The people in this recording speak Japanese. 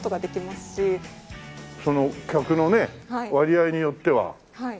その客のね割合によっては。